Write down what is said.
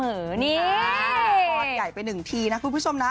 นี่ทอดใหญ่ไปหนึ่งทีนะคุณผู้ชมนะ